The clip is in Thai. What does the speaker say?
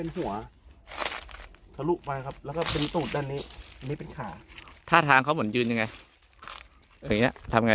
หัวถลุกไปครับแล้วสูตรนี้เป็นขาท่าทางเขาเหมือนยืนยังไง